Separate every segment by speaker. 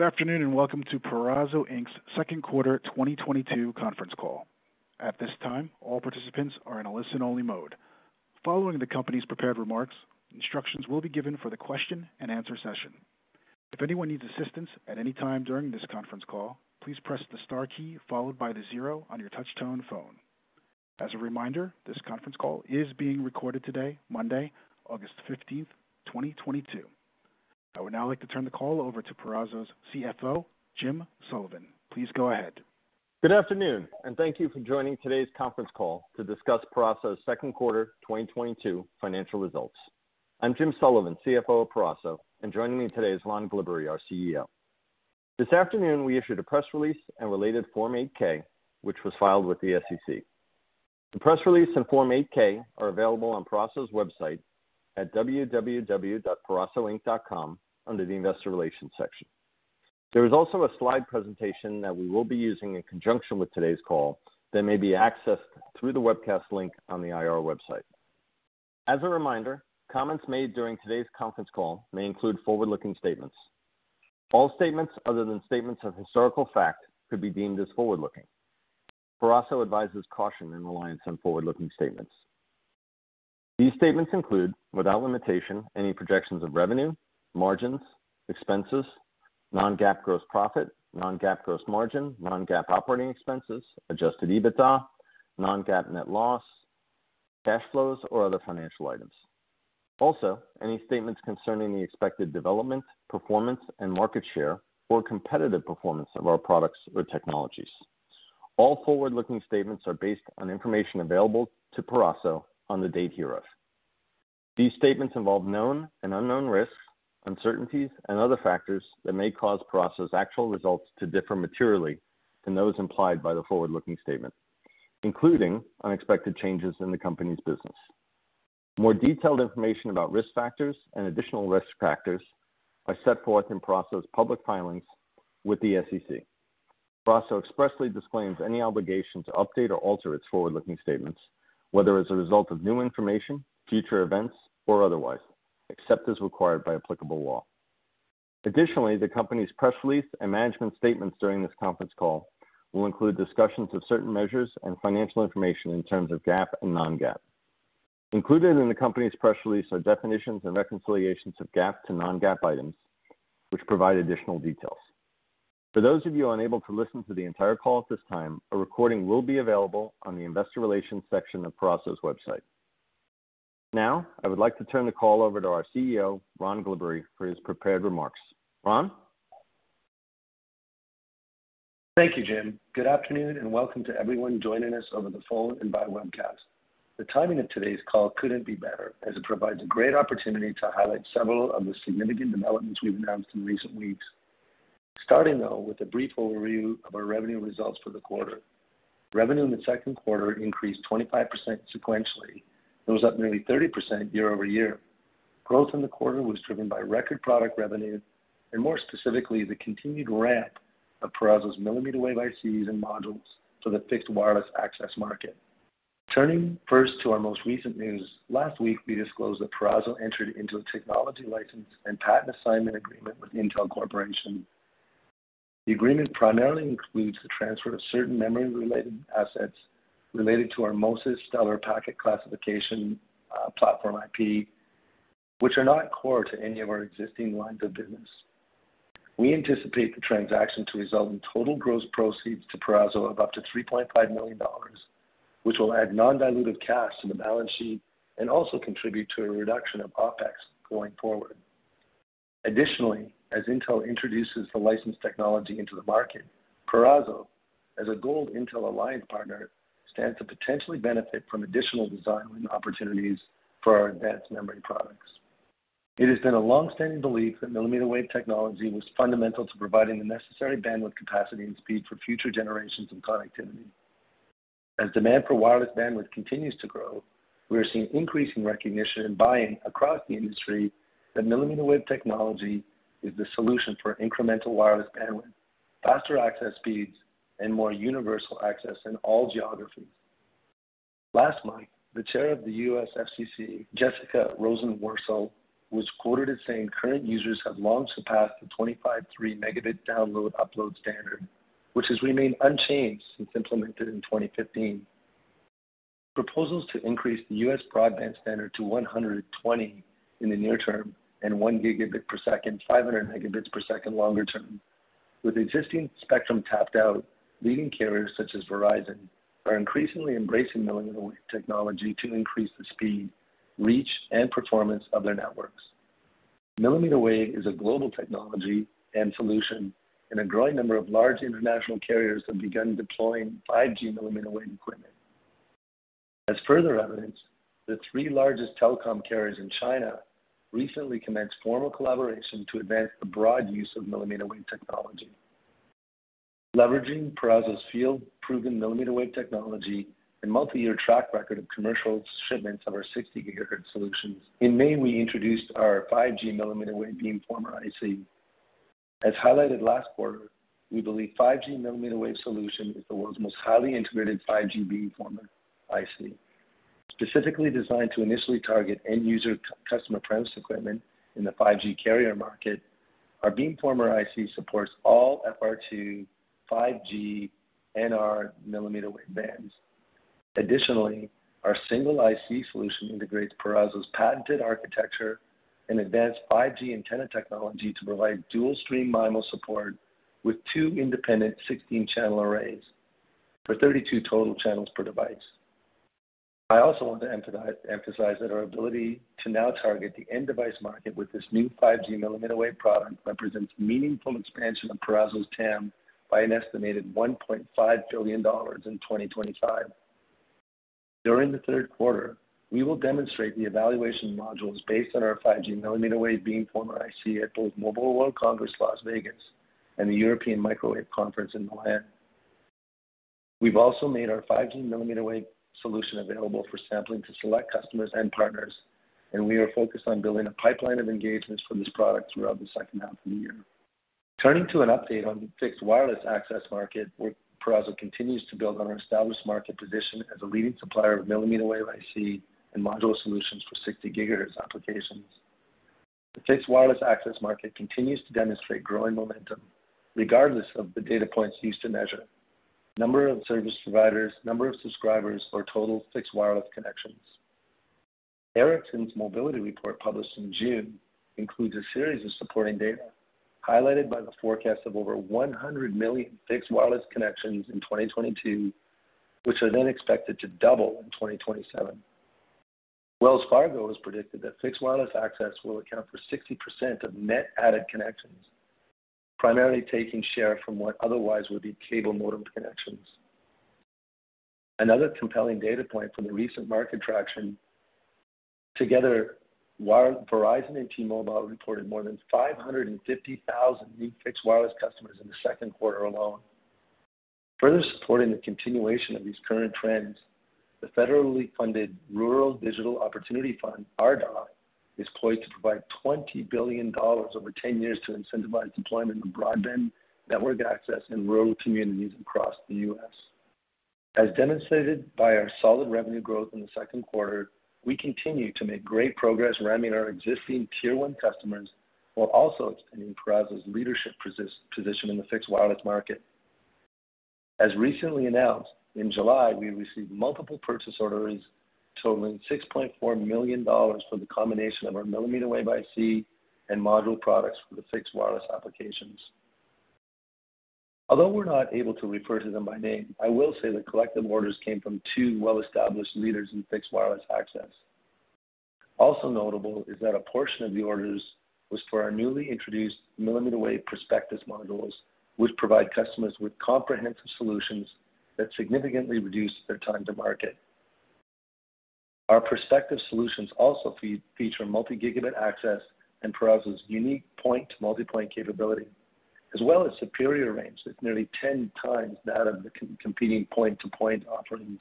Speaker 1: Good afternoon, and welcome to Peraso Inc's second quarter 2022 conference call. At this time, all participants are in a listen-only mode. Following the company's prepared remarks, instructions will be given for the question and answer session. If anyone needs assistance at any time during this conference call, please press the star key followed by the 0 on your touchtone phone. As a reminder, this conference call is being recorded today, Monday, August 15th, 2022. I would now like to turn the call over to Peraso's CFO, Jim Sullivan. Please go ahead.
Speaker 2: Good afternoon, and thank you for joining today's conference call to discuss Peraso's second quarter 2022 financial results. I'm Jim Sullivan, CFO of Peraso, and joining me today is Ron Glibbery, our CEO. This afternoon we issued a press release and related Form 8-K, which was filed with the SEC. The press release and Form 8-K are available on Peraso's website at www.perasoinc.com under the Investor Relations section. There is also a slide presentation that we will be using in conjunction with today's call that may be accessed through the webcast link on the IR website. As a reminder, comments made during today's conference call may include forward-looking statements. All statements other than statements of historical fact could be deemed as forward-looking. Peraso advises caution in reliance on forward-looking statements. These statements include, without limitation, any projections of revenue, margins, expenses, non-GAAP gross profit, non-GAAP gross margin, non-GAAP operating expenses, adjusted EBITDA, non-GAAP net loss, cash flows, or other financial items. Also, any statements concerning the expected development, performance and market share or competitive performance of our products or technologies. All forward-looking statements are based on information available to Peraso on the date hereof. These statements involve known and unknown risks, uncertainties, and other factors that may cause Peraso's actual results to differ materially from those implied by the forward-looking statement, including unexpected changes in the company's business. More detailed information about risk factors and additional risk factors are set forth in Peraso's public filings with the SEC. Peraso expressly disclaims any obligation to update or alter its forward-looking statements, whether as a result of new information, future events, or otherwise, except as required by applicable law. Additionally, the company's press release and management statements during this conference call will include discussions of certain measures and financial information in terms of GAAP and non-GAAP. Included in the company's press release are definitions and reconciliations of GAAP to non-GAAP items, which provide additional details. For those of you unable to listen to the entire call at this time, a recording will be available on the investor relations section of Peraso's website. Now, I would like to turn the call over to our CEO, Ron Glibbery, for his prepared remarks. Ron?
Speaker 3: Thank you, Jim. Good afternoon, and welcome to everyone joining us over the phone and via webcast. The timing of today's call couldn't be better as it provides a great opportunity to highlight several of the significant developments we've announced in recent weeks. Starting, though, with a brief overview of our revenue results for the quarter. Revenue in the second quarter increased 25% sequentially. It was up nearly 30% year-over-year. Growth in the quarter was driven by record product revenue and more specifically, the continued ramp of Peraso's millimeter wave ICs and modules for the fixed wireless access market. Turning first to our most recent news, last week we disclosed that Peraso entered into a technology license and patent assignment agreement with Intel Corporation. The agreement primarily includes the transfer of certain memory-related assets related to our MoSys Stellar Packet Classification Platform IP, which are not core to any of our existing lines of business. We anticipate the transaction to result in total gross proceeds to Peraso of up to $3.5 million, which will add non-dilutive cash to the balance sheet and also contribute to a reduction of OpEx going forward. Additionally, as Intel introduces the licensed technology into the market, Peraso, as an Intel Partner Alliance Gold partner, stands to potentially benefit from additional design opportunities for our advanced memory products. It has been a long-standing belief that millimeter wave technology was fundamental to providing the necessary bandwidth, capacity and speed for future generations of connectivity. As demand for wireless bandwidth continues to grow, we are seeing increasing recognition and buy-in across the industry that millimeter wave technology is the solution for incremental wireless bandwidth, faster access speeds, and more universal access in all geographies. Last month, the Chair of the U.S. FCC, Jessica Rosenworcel, was quoted as saying current users have long surpassed the 25/3 Mbps download/upload standard, which has remained unchanged since implemented in 2015. Proposals to increase the U.S. broadband standard to 120 Mbps in the near term and 1 Gbps/500 Mbps longer term. With existing spectrum tapped out, leading carriers such as Verizon are increasingly embracing millimeter wave technology to increase the speed, reach, and performance of their networks. Millimeter wave is a global technology and solution, and a growing number of large international carriers have begun deploying 5G millimeter wave equipment. As further evidence, the three largest telecom carriers in China recently commenced formal collaboration to advance the broad use of millimeter wave technology. Leveraging Peraso's field-proven millimeter wave technology and multi-year track record of commercial shipments of our 60 GHz solutions, in May, we introduced our 5G millimeter wave beamformer IC. As highlighted last quarter, we believe 5G millimeter wave solution is the world's most highly integrated 5G beamformer IC. Specifically designed to initially target end user customer premise equipment in the 5G carrier market, our beamformer IC supports all FR2, 5G and our millimeter wave bands. Additionally, our single IC solution integrates Peraso's patented architecture and advanced 5G antenna technology to provide dual stream MIMO support with two independent 16-channel arrays for 32 total channels per device. I also want to emphasize that our ability to now target the end device market with this new 5G millimeter wave product represents meaningful expansion of Peraso's TAM by an estimated $1.5 billion in 2025. During the third quarter, we will demonstrate the evaluation modules based on our 5G millimeter wave beamformer IC at both Mobile World Congress, Las Vegas, and the European Microwave Conference in Milan. We've also made our 5G millimeter wave solution available for sampling to select customers and partners, and we are focused on building a pipeline of engagements for this product throughout the second half of the year. Turning to an update on the fixed wireless access market, where Peraso continues to build on our established market position as a leading supplier of millimeter wave IC and modular solutions for 60 GHz applications. The fixed wireless access market continues to demonstrate growing momentum regardless of the data points used to measure, number of service providers, number of subscribers or total fixed wireless connections. Ericsson's mobility report, published in June, includes a series of supporting data highlighted by the forecast of over 100 million fixed wireless connections in 2022, which are then expected to double in 2027. Wells Fargo has predicted that fixed wireless access will account for 60% of net added connections, primarily taking share from what otherwise would be cable modem connections. Another compelling data point from the recent market traction, together, Verizon and T-Mobile reported more than 550,000 new fixed wireless customers in the second quarter alone. Further supporting the continuation of these current trends, the federally funded Rural Digital Opportunity Fund, RDOF, is poised to provide $20 billion over 10 years to incentivize deployment of broadband network access in rural communities across the U.S. As demonstrated by our solid revenue growth in the second quarter, we continue to make great progress ramping our existing tier one customers while also expanding Peraso's leadership position in the fixed wireless market. As recently announced, in July, we received multiple purchase orders totaling $6.4 million for the combination of our millimeter wave IC and module products for the fixed wireless applications. Although we're not able to refer to them by name, I will say the collective orders came from two well-established leaders in fixed wireless access. Also notable is that a portion of the orders was for our newly introduced millimeter wave Perspectus modules, which provide customers with comprehensive solutions that significantly reduce their time to market. Our Perspectus solutions also feature multi-gigabit access and Peraso's unique point multi-point capability, as well as superior range, with nearly 10x that of the competing point-to-point offerings.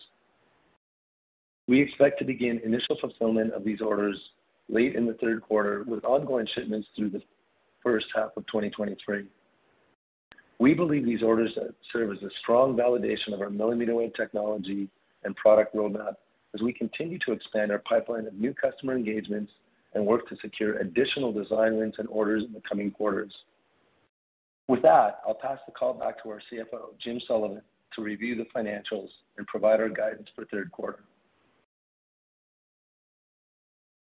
Speaker 3: We expect to begin initial fulfillment of these orders late in the third quarter, with ongoing shipments through the first half of 2023. We believe these orders serve as a strong validation of our millimeter wave technology and product roadmap as we continue to expand our pipeline of new customer engagements and work to secure additional design wins and orders in the coming quarters. With that, I'll pass the call back to our CFO, Jim Sullivan, to review the financials and provide our guidance for third quarter.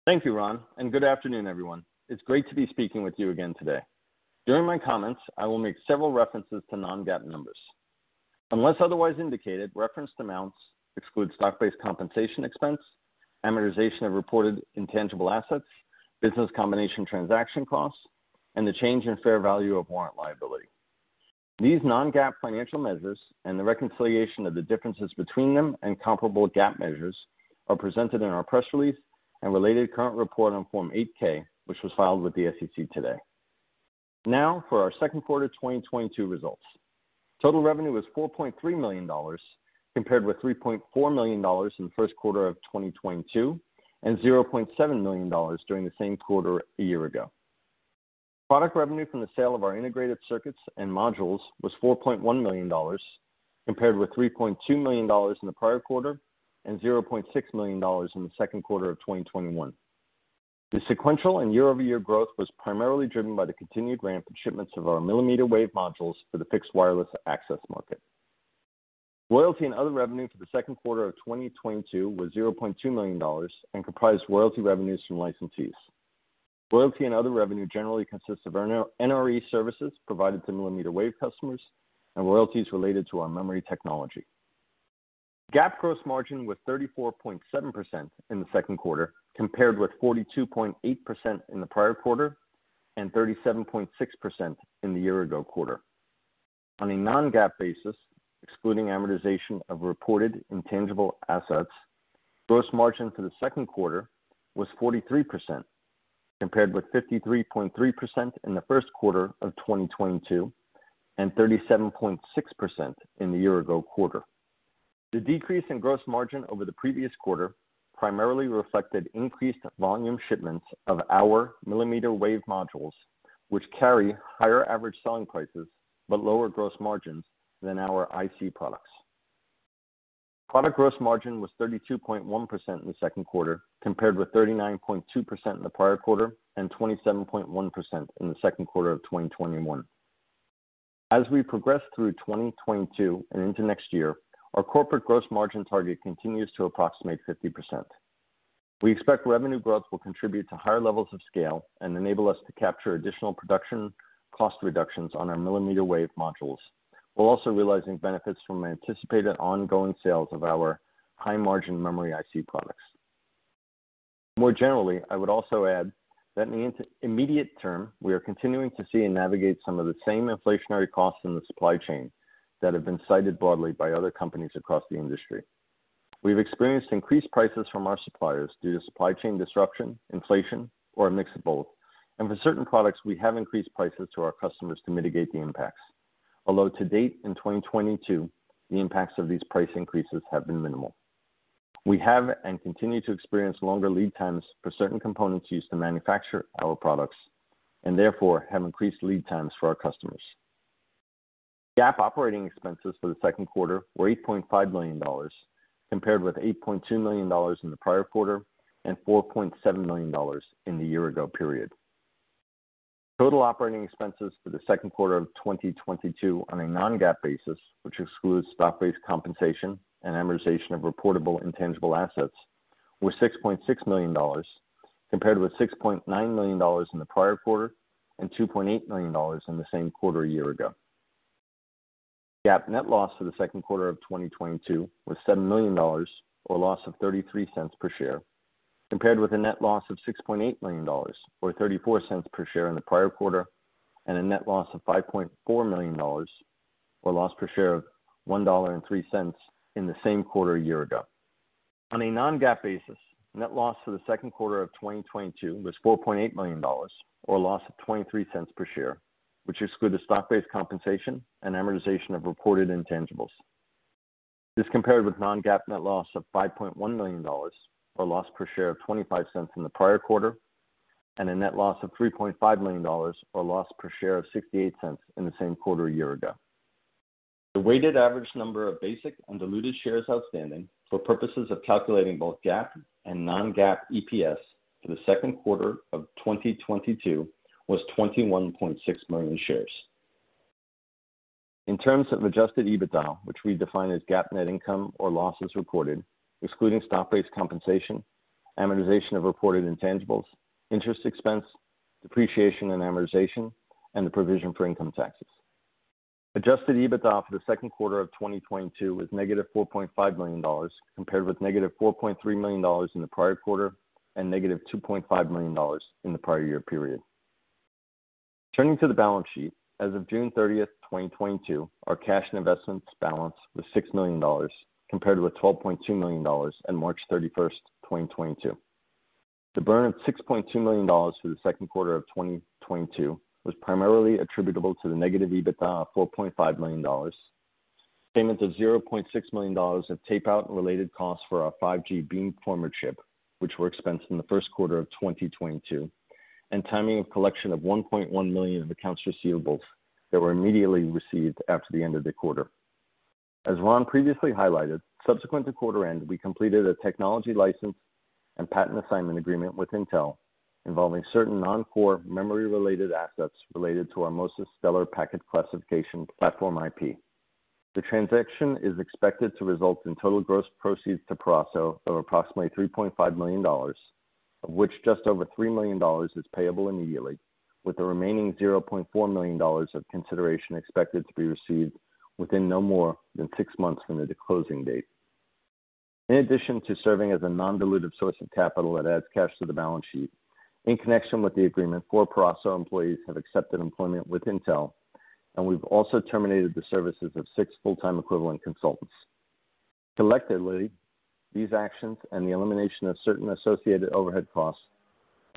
Speaker 2: Thank you, Ron, and good afternoon, everyone. It's great to be speaking with you again today. During my comments, I will make several references to non-GAAP numbers. Unless otherwise indicated, referenced amounts exclude stock-based compensation expense, amortization of reported intangible assets, business combination transaction costs, and the change in fair value of warrant liability. These non-GAAP financial measures and the reconciliation of the differences between them and comparable GAAP measures are presented in our press release and related current report on Form 8-K, which was filed with the SEC today. Now for our second quarter 2022 results. Total revenue was $4.3 million, compared with $3.4 million in the first quarter of 2022, and $0.7 million during the same quarter a year ago. Product revenue from the sale of our integrated circuits and modules was $4.1 million, compared with $3.2 million in the prior quarter and $0.6 million in the second quarter of 2021. The sequential and year-over-year growth was primarily driven by the continued ramp in shipments of our millimeter wave modules for the fixed wireless access market. Royalty and other revenue for the second quarter of 2022 was $0.2 million and comprised royalty revenues from licensees. Royalty and other revenue generally consists of our NRE services provided to millimeter wave customers and royalties related to our memory technology. GAAP gross margin was 34.7% in the second quarter, compared with 42.8% in the prior quarter and 37.6% in the year ago quarter. On a non-GAAP basis, excluding amortization of reported intangible assets, gross margin for the second quarter was 43%, compared with 53.3% in the first quarter of 2022 and 37.6% in the year ago quarter. The decrease in gross margin over the previous quarter primarily reflected increased volume shipments of our millimeter wave modules, which carry higher average selling prices, but lower gross margins than our IC products. Product gross margin was 32.1% in the second quarter, compared with 39.2% in the prior quarter and 27.1% in the second quarter of 2021. As we progress through 2022 and into next year, our corporate gross margin target continues to approximate 50%. We expect revenue growth will contribute to higher levels of scale and enable us to capture additional production cost reductions on our millimeter wave modules, while also realizing benefits from anticipated ongoing sales of our high margin memory IC products. More generally, I would also add that in the immediate term, we are continuing to see and navigate some of the same inflationary costs in the supply chain that have been cited broadly by other companies across the industry. We've experienced increased prices from our suppliers due to supply chain disruption, inflation, or a mix of both. For certain products, we have increased prices to our customers to mitigate the impacts. Although to date, in 2022, the impacts of these price increases have been minimal. We have and continue to experience longer lead times for certain components used to manufacture our products, and therefore have increased lead times for our customers. GAAP operating expenses for the second quarter were $8.5 million, compared with $8.2 million in the prior quarter and $4.7 million in the year ago period. Total operating expenses for the second quarter of 2022 on a non-GAAP basis, which excludes stock-based compensation and amortization of reportable intangible assets, were $6.6 million, compared with $6.9 million in the prior quarter and $2.8 million in the same quarter a year ago. GAAP net loss for the second quarter of 2022 was $7 million, or a loss of $0.33 per share, compared with a net loss of $6.8 million or $0.34 per share in the prior quarter, and a net loss of $5.4 million, or loss per share of $1.03 in the same quarter a year ago. On a non-GAAP basis, net loss for the second quarter of 2022 was $4.8 million, or a loss of $0.23 per share, which excludes the stock-based compensation and amortization of reported intangibles. This compared with non-GAAP net loss of $5.1 million, or loss per share of $0.25 in the prior quarter, and a net loss of $3.5 million, or loss per share of $0.68 in the same quarter a year ago. The weighted average number of basic and diluted shares outstanding for purposes of calculating both GAAP and non-GAAP EPS for the second quarter of 2022 was 21.6 million shares. In terms of adjusted EBITDA, which we define as GAAP net income or losses reported excluding stock-based compensation, amortization of reported intangibles, interest expense, depreciation and amortization, and the provision for income taxes. Adjusted EBITDA for the second quarter of 2022 was negative $4.5 million, compared with negative $4.3 million in the prior quarter, and -$2.5 million in the prior year period. Turning to the balance sheet. As of June 30th, 2022, our cash and investments balance was $6 million compared with $12.2 million in March 31st, 2022. The burn of $6.2 million for the second quarter of 2022 was primarily attributable to the negative EBITDA of $4.5 million, payment of $0.6 million of tape-out and related costs for our 5G beamformer chip, which were expensed in the first quarter of 2022, and timing of collection of $1.1 million of accounts receivables that were immediately received after the end of the quarter. As Ron previously highlighted, subsequent to quarter end, we completed a technology license and patent assignment agreement with Intel involving certain non-core memory related assets related to our MoSys Stellar Packet Classification Platform IP. The transaction is expected to result in total gross proceeds to Peraso of approximately $3.5 million, of which just over $3 million is payable immediately, with the remaining $0.4 million of consideration expected to be received within no more than six months from the closing date. In addition to serving as a non-dilutive source of capital that adds cash to the balance sheet, in connection with the agreement, four Peraso employees have accepted employment with Intel, and we've also terminated the services of six full-time equivalent consultants. Collectively, these actions and the elimination of certain associated overhead costs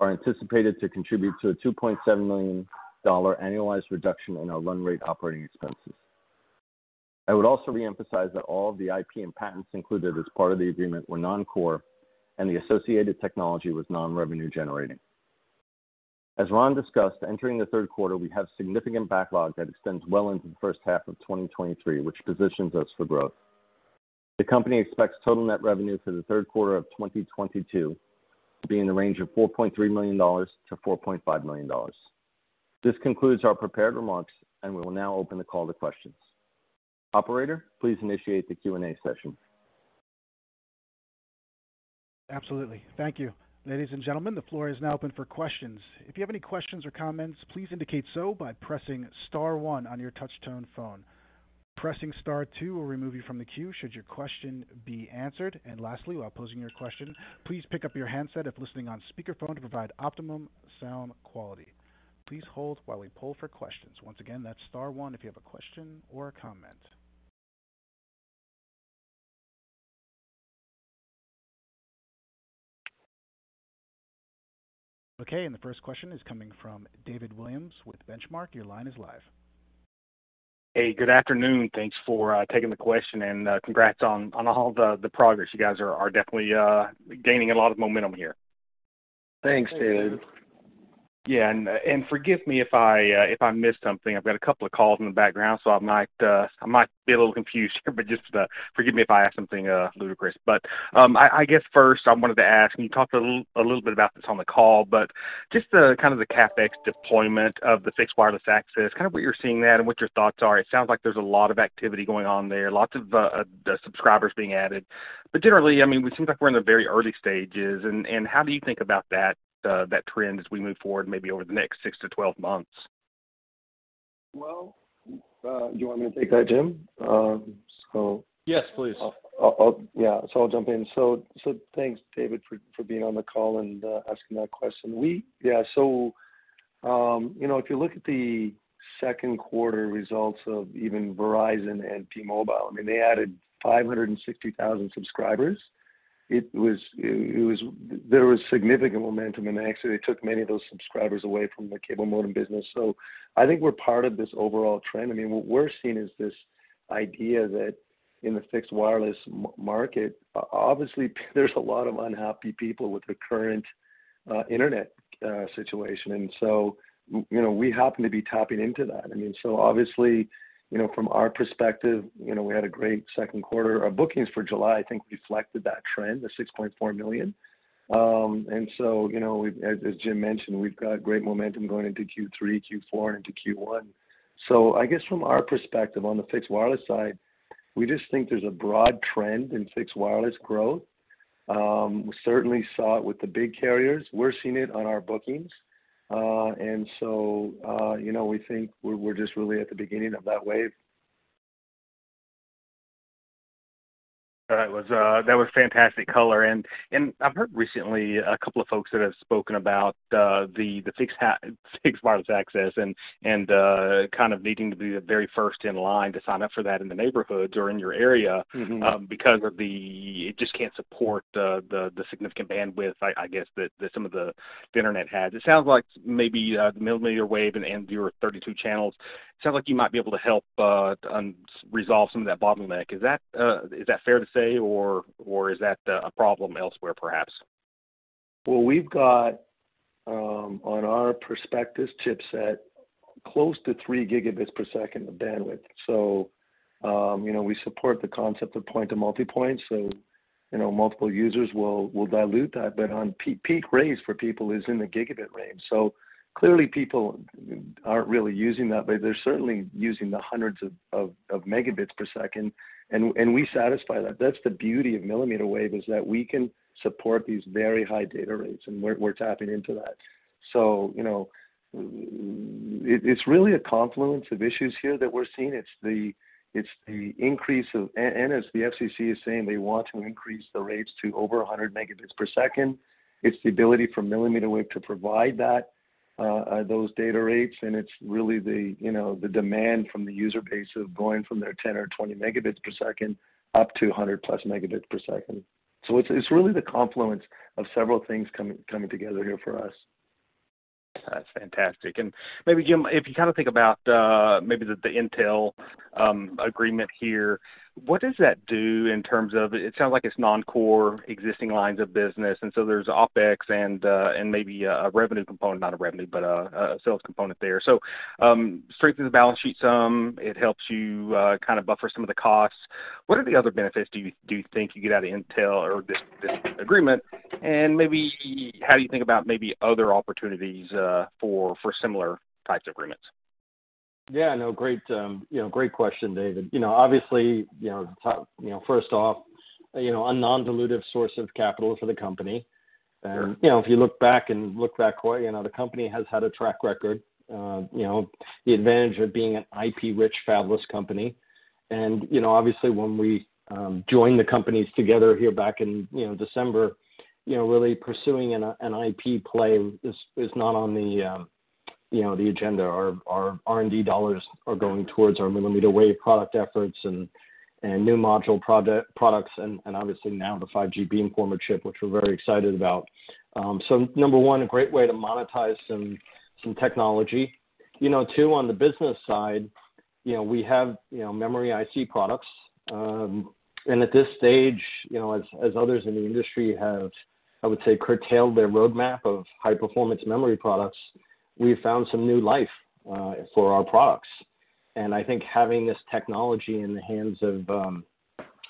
Speaker 2: are anticipated to contribute to a $2.7 million annualized reduction in our run rate operating expenses. I would also reemphasize that all of the IP and patents included as part of the agreement were non-core and the associated technology was non-revenue generating. As Ron discussed, entering the third quarter, we have significant backlog that extends well into the first half of 2023, which positions us for growth. The company expects total net revenue for the third quarter of 2022 to be in the range of $4.3 million-$4.5 million. This concludes our prepared remarks, and we will now open the call to questions. Operator, please initiate the Q&A session.
Speaker 1: Absolutely. Thank you. Ladies and gentlemen, the floor is now open for questions. If you have any questions or comments, please indicate so by pressing star one on your touchtone phone. Pressing star two will remove you from the queue should your question be answered. Lastly, while posing your question, please pick up your handset if listening on speakerphone to provide optimum sound quality. Please hold while we poll for questions. Once again, that's star one if you have a question or a comment. Okay, the first question is coming from David Williams with Benchmark. Your line is live.
Speaker 4: Hey, good afternoon. Thanks for taking the question, and congrats on all the progress. You guys are definitely gaining a lot of momentum here.
Speaker 3: Thanks, David.
Speaker 4: Yeah. Forgive me if I missed something. I've got a couple of calls in the background, so I might be a little confused here, but just forgive me if I ask something ludicrous. I guess first I wanted to ask, and you talked a little bit about this on the call, but just the kind of CapEx deployment of the fixed wireless access, kind of where you're seeing that and what your thoughts are. It sounds like there's a lot of activity going on there, lots of subscribers being added. Generally, I mean, it seems like we're in the very early stages and how do you think about that trend as we move forward maybe over the next six to 12 months?
Speaker 3: Well, do you want me to take that, Jim?
Speaker 2: Yes, please.
Speaker 3: Yeah. I'll jump in. Thanks, David, for being on the call and asking that question. Yeah, so you know, if you look at the second quarter results of even Verizon and T-Mobile, I mean, they added 560,000 subscribers. There was significant momentum, and actually they took many of those subscribers away from the cable modem business. I think we're part of this overall trend. I mean, what we're seeing is this idea that in the fixed wireless market, obviously there's a lot of unhappy people with the current internet situation. You know, we happen to be tapping into that. I mean, obviously, you know, from our perspective, you know, we had a great second quarter. Our bookings for July, I think, reflected that trend, the $6.4 million. You know, as Jim mentioned, we've got great momentum going into Q3, Q4, and into Q1. I guess from our perspective on the fixed wireless side, we just think there's a broad trend in fixed wireless growth. We certainly saw it with the big carriers. We're seeing it on our bookings. You know, we think we're just really at the beginning of that wave.
Speaker 4: That was fantastic color. I've heard recently a couple of folks that have spoken about the fixed wireless access and kind of needing to be the very first in line to sign up for that in the neighborhoods or in your area.
Speaker 3: Mm-hmm
Speaker 4: Because it just can't support the significant bandwidth, I guess that some of the internet has. It sounds like maybe the millimeter wave and your 32 channels sounds like you might be able to help resolve some of that bottleneck. Is that fair to say, or is that a problem elsewhere, perhaps?
Speaker 3: Well, we've got on our Perspectus chipset close to 3 Gbps of bandwidth. You know, we support the concept of point to multipoint, so you know, multiple users will dilute that. But on peak rates for people is in the gigabit range. Clearly people aren't really using that, but they're certainly using the hundreds of Mbps, and we satisfy that. That's the beauty of millimeter wave, is that we can support these very high data rates, and we're tapping into that. You know, it's really a confluence of issues here that we're seeing. It's the increase. As the FCC is saying they want to increase the rates to over 100 Mbps. It's the ability for millimeter wave to provide that, those data rates, and it's really the, you know, the demand from the user base of going from their 10 or 20 Mbps up to 100+ Mbps. It's really the confluence of several things coming together here for us.
Speaker 4: That's fantastic. Maybe, Jim, if you kind of think about maybe the Intel agreement here, what does that do in terms of it sounds like it's non-core existing lines of business, and so there's OpEx and maybe a revenue component, not a revenue, but a sales component there. Strengthens the balance sheet some. It helps you kind of buffer some of the costs. What are the other benefits do you think you get out of Intel or this agreement? Maybe how do you think about maybe other opportunities for similar types of agreements?
Speaker 2: Yeah, no, great, you know, great question, David. You know, obviously, you know, top, you know, first off, you know, a non-dilutive source of capital for the company.
Speaker 4: Sure.
Speaker 2: You know, if you look back, Coy, you know, the company has had a track record. You know, the advantage of being an IP-rich fabless company. You know, obviously when we joined the companies together here back in, you know, December, you know, really pursuing an IP play is not on the, you know, the agenda. Our R&D dollars are going towards our millimeter wave product efforts and new module products and obviously now the 5G beamformer chip, which we're very excited about. Number one, a great way to monetize some technology. You know, two, on the business side, you know, we have, you know, memory IC products. At this stage, you know, as others in the industry have, I would say, curtailed their roadmap of high-performance memory products, we found some new life for our products. I think having this technology in the hands of,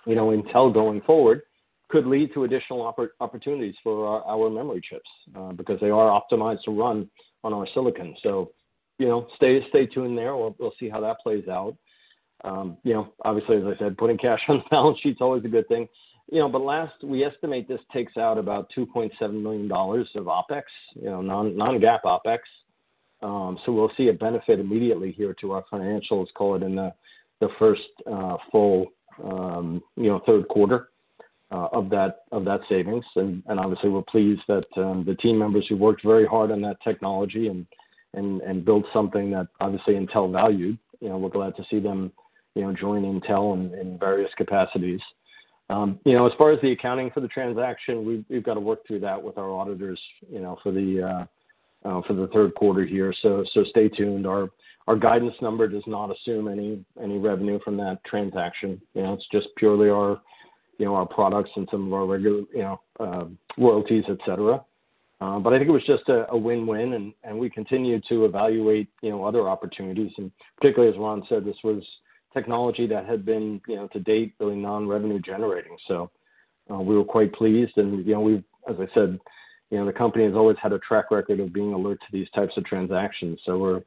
Speaker 2: you know, Intel going forward could lead to additional opportunities for our memory chips because they are optimized to run on our silicon. You know, stay tuned there. We'll see how that plays out. You know, obviously, as I said, putting cash on the balance sheet's always a good thing. Last, we estimate this takes out about $2.7 million of OpEx, you know, non-GAAP OpEx. So we'll see a benefit immediately here to our financials, call it in the first full, you know, third quarter of that savings. Obviously, we're pleased that the team members who worked very hard on that technology and built something that obviously Intel valued, you know, we're glad to see them, you know, join Intel in various capacities. You know, as far as the accounting for the transaction, we've got to work through that with our auditors, you know, for the third quarter here. Stay tuned. Our guidance number does not assume any revenue from that transaction. You know, it's just purely our, you know, our products and some of our regular, you know, royalties, et cetera. I think it was just a win-win, and we continue to evaluate, you know, other opportunities. Particularly, as Ron said, this was technology that had been, you know, to date, really non-revenue generating. We were quite pleased. You know, we've, as I said, you know, the company has always had a track record of being alert to these types of transactions. We're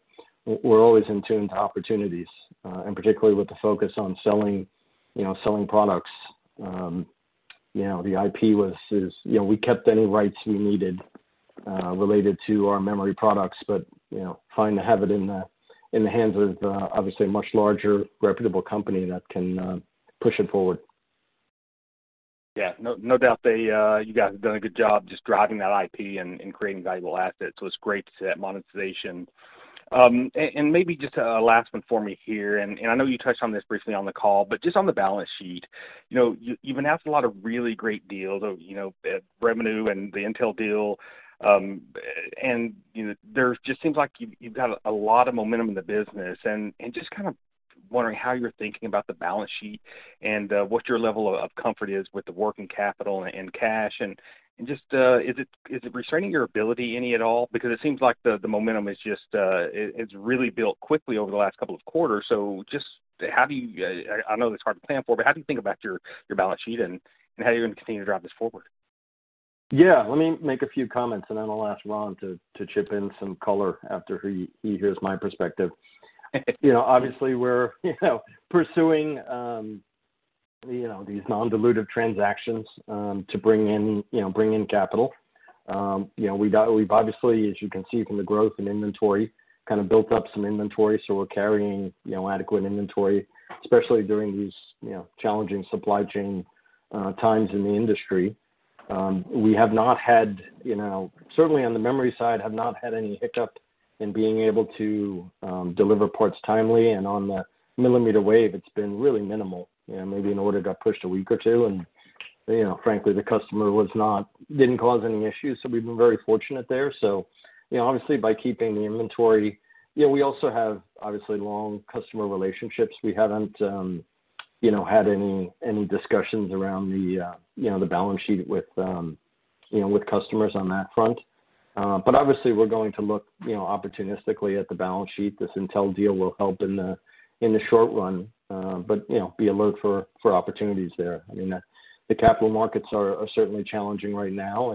Speaker 2: always in tune to opportunities, and particularly with the focus on selling, you know, selling products. You know, the IP is, you know, we kept any rights we needed related to our memory products. You know, fine to have it in the hands of a obviously, much larger reputable company that can push it forward.
Speaker 4: Yeah. No doubt they, you guys have done a good job just driving that IP and creating valuable assets. So it's great to see that monetization. Maybe just a last one for me here, and I know you touched on this briefly on the call, but just on the balance sheet. You know, you've announced a lot of really great deals of, you know, [Remenu] and the Intel deal. You know, there just seems like you've got a lot of momentum in the business. Just kind of wondering how you're thinking about the balance sheet and what your level of comfort is with the working capital and cash. Just, is it restraining your ability any at all? Because it seems like the momentum is just, it's really built quickly over the last couple of quarters. I know that's hard to plan for, but how do you think about your balance sheet, and how are you gonna continue to drive this forward?
Speaker 2: Yeah. Let me make a few comments, and then I'll ask Ron to chip in some color after he hears my perspective. You know, obviously, we're pursuing you know these non-dilutive transactions to bring in you know bring in capital. You know, we've obviously, as you can see from the growth in inventory, kind of built up some inventory. We're carrying you know adequate inventory, especially during these you know challenging supply chain times in the industry. We have not had you know certainly on the memory side any hiccup in being able to deliver parts timely. On the millimeter wave, it's been really minimal. You know, maybe an order got pushed a week or two, and you know frankly, the customer didn't cause any issues. We've been very fortunate there. You know, obviously, by keeping the inventory. You know, we also have, obviously, long customer relationships. We haven't, you know, had any discussions around the balance sheet with customers on that front. Obviously, we're going to look, you know, opportunistically at the balance sheet. This Intel deal will help in the short run, but you know, be alert for opportunities there. I mean, the capital markets are certainly challenging right now.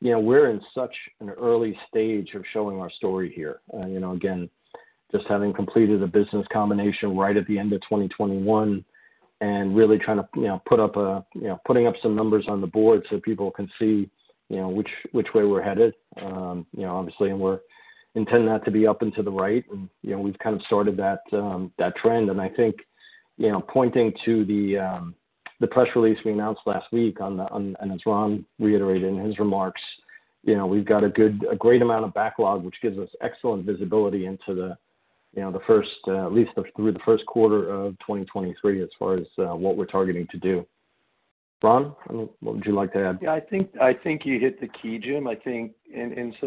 Speaker 2: You know, we're in such an early stage of showing our story here. You know, again, just having completed a business combination right at the end of 2021 and really trying to, you know, putting up some numbers on the board so people can see, you know, which way we're headed. You know, obviously, we intend that to be up and to the right. You know, we've kind of started that trend. I think, you know, pointing to the press release we announced last week and as Ron reiterated in his remarks, you know, we've got a great amount of backlog, which gives us excellent visibility into at least the first quarter of 2023 as far as what we're targeting to do. Ron, what would you like to add?
Speaker 3: Yeah. I think you hit the key, Jim.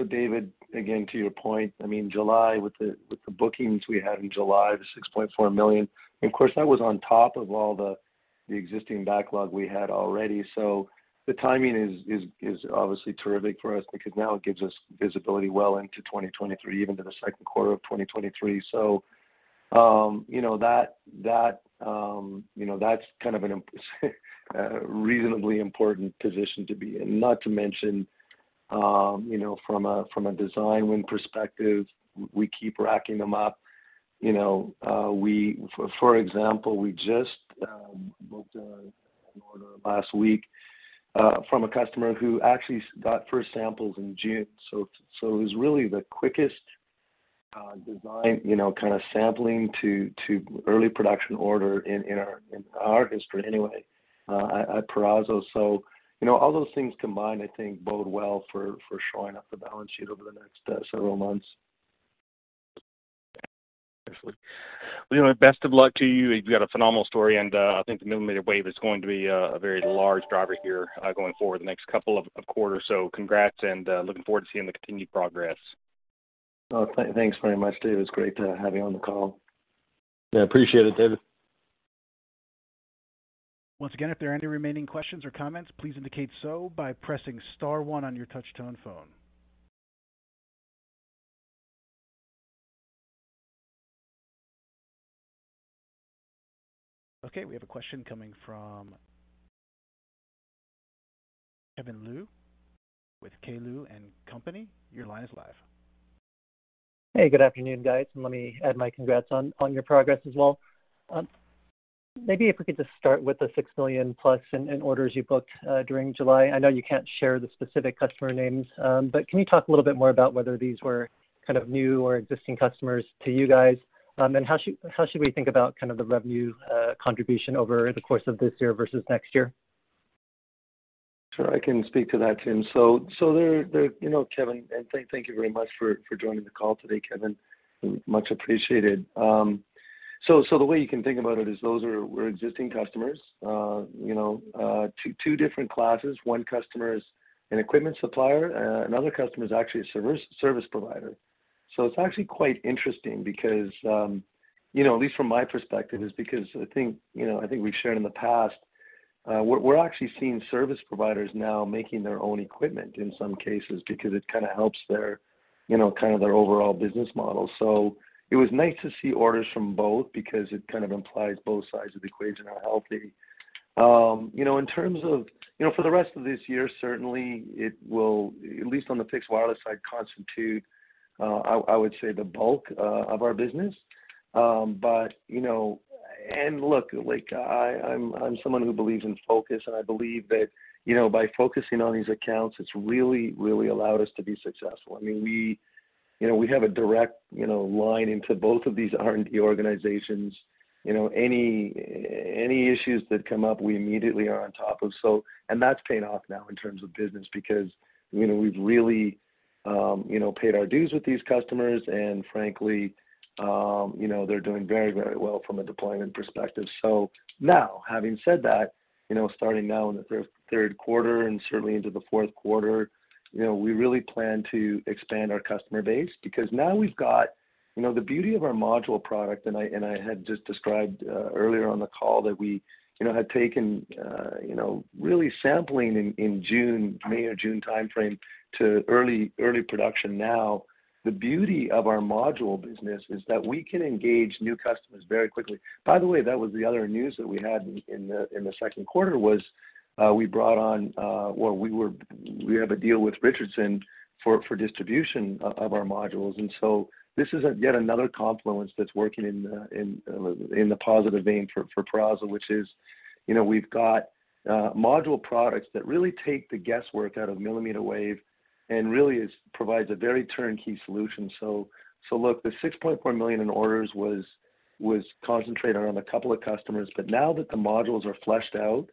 Speaker 3: David, again, to your point, I mean, July, with the bookings we had in July, the $6.4 million, and of course, that was on top of all the existing backlog we had already. The timing is obviously terrific for us because now it gives us visibility well into 2023, even to the second quarter of 2023. You know, that you know, that's kind of a reasonably important position to be in. Not to mention, you know, from a design win perspective, we keep racking them up. You know, for example, we just booked an order last week, from a customer who actually got first samples in June. It was really the quickest design, you know, kind of sampling to early production order in our history anyway, at Peraso. You know, all those things combined I think bode well for shoring up the balance sheet over the next several months.
Speaker 4: Well, best of luck to you. You've got a phenomenal story, and I think the millimeter wave is going to be a very large driver here, going forward the next couple of quarters. Congrats, and looking forward to seeing the continued progress.
Speaker 2: Oh, thanks very much, David. It's great to have you on the call.
Speaker 3: Yeah, appreciate it, David.
Speaker 1: Once again, if there are any remaining questions or comments, please indicate so by pressing star one on your touch-tone phone. Okay. We have a question coming from Kevin Liu with K. Liu & Company. Your line is live.
Speaker 5: Hey, good afternoon, guys. Let me add my congrats on your progress as well. Maybe if we could just start with the $6 million+ in orders you booked during July. I know you can't share the specific customer names, but can you talk a little bit more about whether these were kind of new or existing customers to you guys? How should we think about kind of the revenue contribution over the course of this year versus next year?
Speaker 3: Sure, I can speak to that, Jim. There, you know, Kevin, and thank you very much for joining the call today, Kevin. Much appreciated. The way you can think about it is those were existing customers, you know, two different classes. One customer is an equipment supplier, another customer is actually a service provider. It's actually quite interesting because, you know, at least from my perspective, because I think, you know, I think we've shared in the past, we're actually seeing service providers now making their own equipment in some cases because it kind of helps their, you know, kind of their overall business model. It was nice to see orders from both because it kind of implies both sides of the equation are healthy. You know, in terms of, you know, for the rest of this year, certainly it will, at least on the fixed wireless side, constitute, I would say, the bulk of our business. But you know, look, like I'm someone who believes in focus, and I believe that, you know, by focusing on these accounts, it's really allowed us to be successful. I mean, we, you know, we have a direct, you know, line into both of these R&D organizations. You know, any issues that come up, we immediately are on top of. That's paying off now in terms of business because, you know, we've really, you know, paid our dues with these customers, and frankly, you know, they're doing very well from a deployment perspective. Now, having said that, you know, starting now in the third quarter and certainly into the fourth quarter, you know, we really plan to expand our customer base because now we've got you know, the beauty of our module product, and I had just described earlier on the call that we you know had taken really sampling in May or June timeframe to early production now. The beauty of our module business is that we can engage new customers very quickly. By the way, that was the other news that we had in the second quarter was we brought on well we have a deal with Richardson for distribution of our modules. This is yet another confluence that's working in the positive vein for Peraso, which is, you know, we've got module products that really take the guesswork out of millimeter wave and provides a very turnkey solution. So look, the $6.4 million in orders was concentrated around a couple of customers, but now that the modules are fleshed out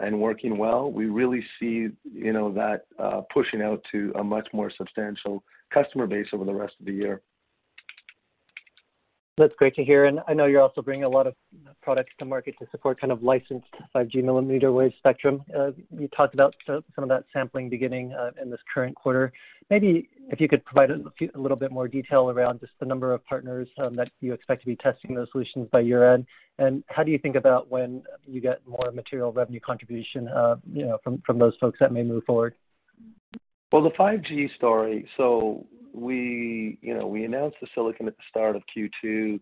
Speaker 3: and working well, we really see, you know, that pushing out to a much more substantial customer base over the rest of the year.
Speaker 5: That's great to hear. I know you're also bringing a lot of products to market to support kind of licensed 5G millimeter wave spectrum. You talked about some of that sampling beginning in this current quarter. Maybe if you could provide a little bit more detail around just the number of partners that you expect to be testing those solutions by year-end. How do you think about when you get more material revenue contribution, you know, from those folks that may move forward?
Speaker 3: Well, the 5G story, so we, you know, we announced the silicon at the start of Q2.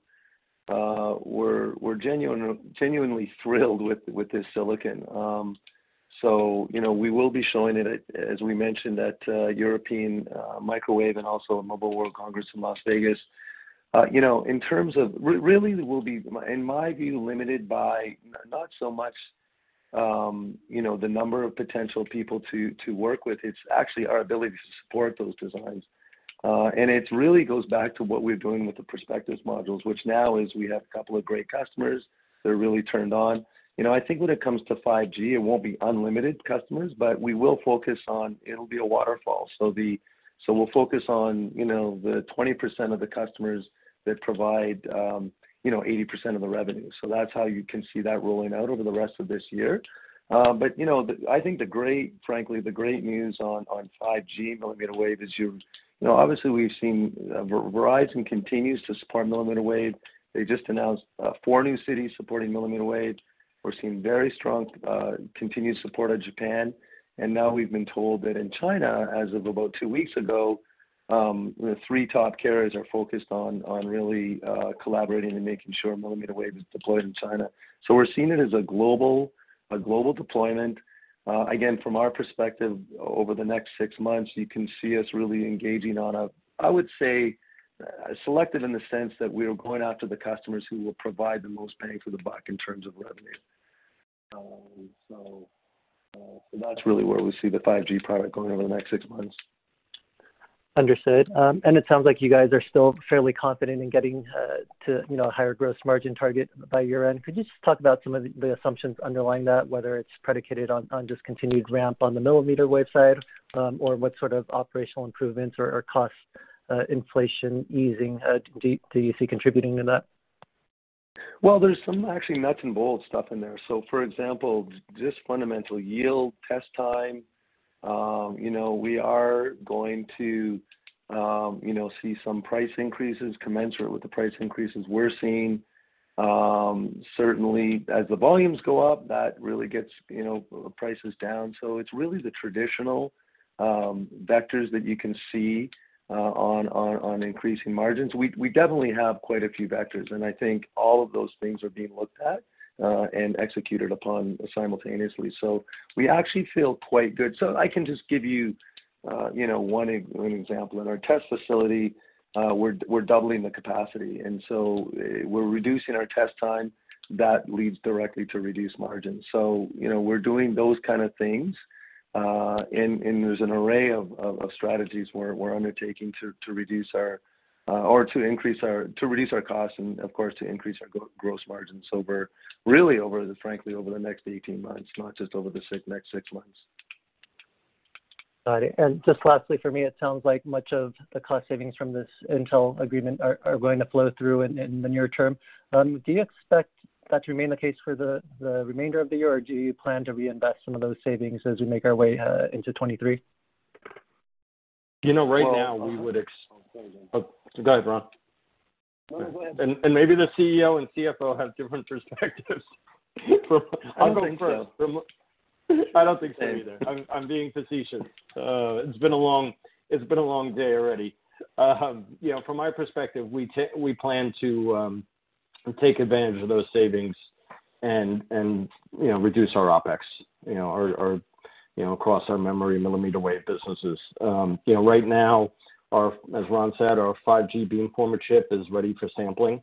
Speaker 3: We're genuinely thrilled with this silicon. So, you know, we will be showing it, as we mentioned, at European Microwave and also at Mobile World Congress in Las Vegas. You know, in terms of really we'll be, in my view, limited by not so much, you know, the number of potential people to work with, it's actually our ability to support those designs. And it really goes back to what we're doing with the Perspectus modules, which now is we have a couple of great customers. They're really turned on. You know, I think when it comes to 5G, it won't be unlimited customers, but we will focus on it'll be a waterfall. We'll focus on, you know, the 20% of the customers that provide, you know, 80% of the revenue. That's how you can see that rolling out over the rest of this year. You know, I think the great news, frankly, on 5G millimeter wave is. You know, obviously we've seen, Verizon continues to support millimeter wave. They just announced four new cities supporting millimeter wave. We're seeing very strong continued support out of Japan. Now we've been told that in China, as of about two weeks ago, the three top carriers are focused on really collaborating and making sure millimeter wave is deployed in China. We're seeing it as a global deployment. Again, from our perspective, over the next six months, you can see us really engaging on a, I would say, selective in the sense that we are going after the customers who will provide the most bang for the buck in terms of revenue. That's really where we see the 5G product going over the next six months.
Speaker 5: Understood. It sounds like you guys are still fairly confident in getting to, you know, a higher gross margin target by year-end. Could you just talk about some of the assumptions underlying that, whether it's predicated on just continued ramp on the millimeter wave side, or what sort of operational improvements or cost inflation easing do you see contributing to that?
Speaker 3: Well, there's some actually nuts and bolts stuff in there. For example, just fundamental yield, test time, you know, we are going to see some price increases commensurate with the price increases we're seeing. Certainly as the volumes go up, that really gets, you know, prices down. It's really the traditional vectors that you can see on increasing margins. We definitely have quite a few vectors, and I think all of those things are being looked at and executed upon simultaneously. We actually feel quite good. I can just give you one example. In our test facility, we're doubling the capacity, and so we're reducing our test time. That leads directly to reduced margins. you know, we're doing those kind of things, and there's an array of strategies we're undertaking to reduce our costs and of course, to increase our gross margins over, really over the, frankly, over the next 18 months, not just over the next six months.
Speaker 5: Got it. Just lastly, for me, it sounds like much of the cost savings from this Intel agreement are going to flow through in the near term. Do you expect that to remain the case for the remainder of the year, or do you plan to reinvest some of those savings as we make our way into 2023?
Speaker 2: You know, right now we would.
Speaker 3: Well-
Speaker 2: Oh, go ahead, Ron.
Speaker 3: No, go ahead.
Speaker 2: Maybe the CEO and CFO have different perspectives.
Speaker 3: I don't think so.
Speaker 2: I don't think so either. I'm being facetious. It's been a long day already. You know, from my perspective, we plan to take advantage of those savings and, you know, reduce our OpEx, you know, across our memory millimeter wave businesses. You know, right now, as Ron said, our 5G beamformer chip is ready for sampling.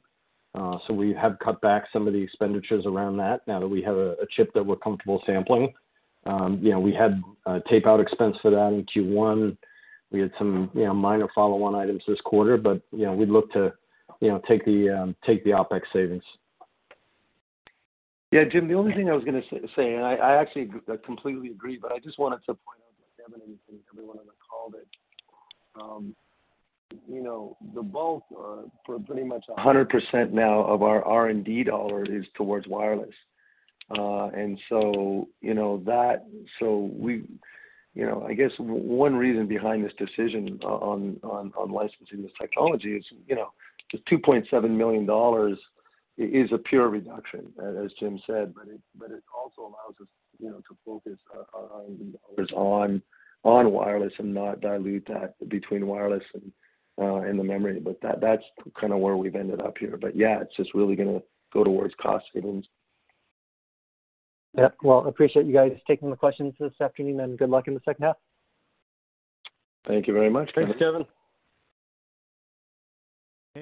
Speaker 2: So we have cut back some of the expenditures around that now that we have a chip that we're comfortable sampling. You know, we had tape-out expense for that in Q1. We had some, you know, minor follow-on items this quarter, but, you know, we'd look to, you know, take the OpEx savings.
Speaker 3: Yeah, Jim, the only thing I was gonna say, and I actually completely agree, but I just wanted to point out to Kevin and everyone on the call that, you know, the bulk or for pretty much 100% now of our R&D dollar is towards wireless. You know, that. You know, I guess one reason behind this decision on licensing this technology is, you know, the $2.7 million is a pure reduction, as Jim said, but it also allows us, you know, to focus our R&D dollars on wireless and not dilute that between wireless and the memory. That's kinda where we've ended up here. Yeah, it's just really gonna go towards cost savings.
Speaker 5: Yeah. Well, appreciate you guys taking the questions this afternoon, and good luck in the second half.
Speaker 2: Thank you very much.
Speaker 3: Thanks,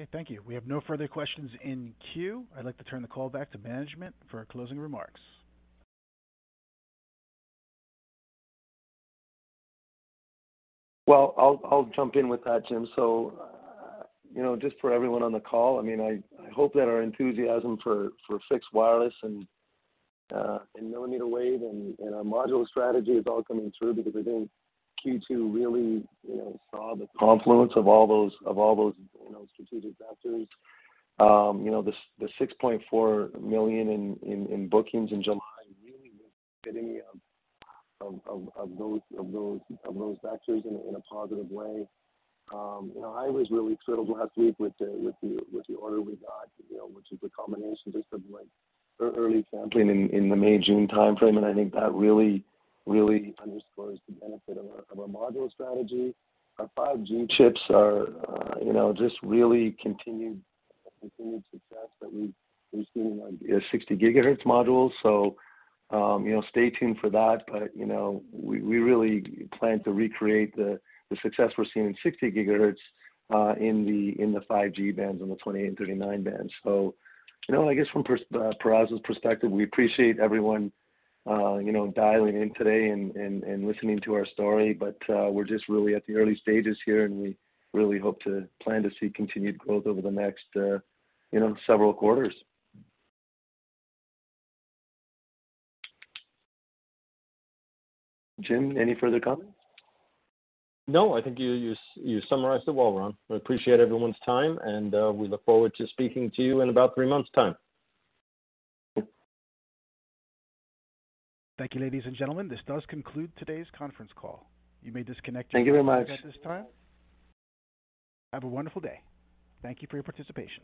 Speaker 3: Kevin.
Speaker 1: Okay, thank you. We have no further questions in queue. I'd like to turn the call back to management for closing remarks.
Speaker 3: Well, I'll jump in with that, Jim. You know, just for everyone on the call, I mean, I hope that our enthusiasm for fixed wireless and millimeter wave and our module strategy is all coming through because I think Q2 really, you know, saw the confluence of all those strategic vectors. The $6.4 million in bookings in July really was an epitome of those vectors in a positive way. I was really thrilled last week with the order we got, you know, which is a combination just of like early sampling in the May-June timeframe, and I think that really underscores the benefit of our module strategy. Our 5G chips are, you know, just really continued a continued success that we've been seeing on our 60 GHz modules. You know, stay tuned for that. You know, we really plan to recreate the success we're seeing in 60 GHz, in the 5G bands, on the 28 and 39 bands. You know, I guess from Peraso's perspective, we appreciate everyone, you know, dialing in today and listening to our story. We're just really at the early stages here, and we really hope to plan to see continued growth over the next, you know, several quarters. Jim, any further comments?
Speaker 2: No, I think you summarized it well, Ron. We appreciate everyone's time, and we look forward to speaking to you in about three months' time.
Speaker 1: Thank you, ladies and gentlemen. This does conclude today's conference call. You may disconnect your-
Speaker 3: Thank you very much.
Speaker 1: Telephones at this time. Have a wonderful day. Thank you for your participation.